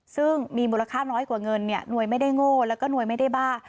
ซึ่งมีมูลค่าน้อยกว่าเงินเนี่ยหน่วยไม่ได้โง่แล้วก็หน่วยไม่ได้บ้า